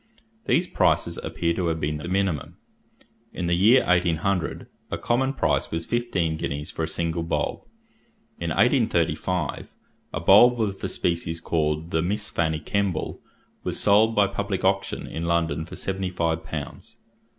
These prices appear to have been the minimum. In the year 1800, a common price was fifteen guineas for a single bulb. In 1835, a bulb of the species called the Miss Fanny Kemble was sold by public auction in London for seventy five pounds.